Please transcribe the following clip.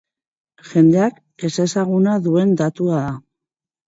Jendeak ezezaguna duen datua da.